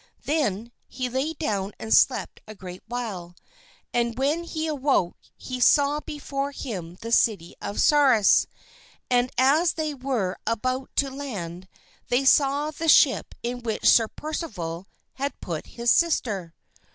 Then he lay down and slept a great while, and when he awoke he saw before him the city of Sarras; and as they were about to land they saw the ship in which Sir Percival had put his sister.